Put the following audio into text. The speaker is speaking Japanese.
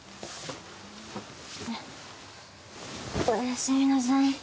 おやすみなさい。